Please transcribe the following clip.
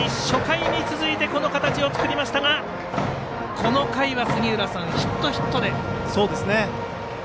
初回に続いてこの形を作りましたがこの回はヒット、ヒットです。